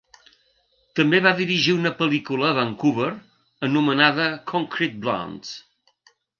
També va dirigir una pel·lícula a Vancouver anomenada Concrete Blondes.